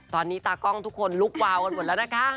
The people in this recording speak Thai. ตอนนี้ตากล้องทุกคนลุกวาวกันหมดแล้วนะคะ